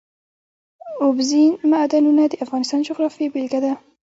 اوبزین معدنونه د افغانستان د جغرافیې بېلګه ده.